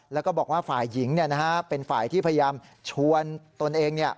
แล้วก็บอกว่าฝ่ายหญิงเนี่ยนะฮะเป็นฝ่ายที่พยายามชวนตนเองเนี่ย